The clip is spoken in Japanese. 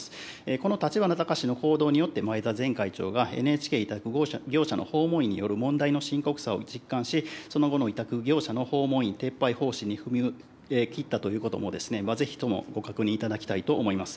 この立花孝志の行動によって、前田前会長がＮＨＫ委託業者の訪問員による問題の深刻さを実感し、その後の委託業者の訪問員撤廃方針に踏み切ったということも、ぜひともご確認いただきたいと思います。